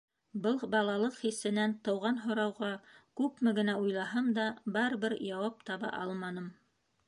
Был балалыҡ хисенән тыуған һорауға, күпме генә уйлаһам да, барыбер яуап таба алманым.